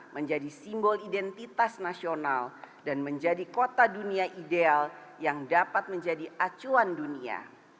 menjadi simbol identitas nasional dan menjadi kota dunia ideal yang dapat menjadi acuan dunia